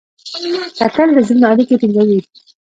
کتل د زړونو اړیکې ټینګوي